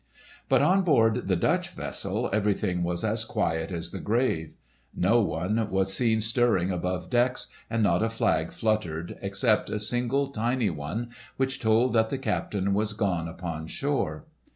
But on board the Dutch vessel everything was as quiet as the grave. No one was seen stirring above decks, and not a flag fluttered except a single tiny one which told that the captain was gone upon shore.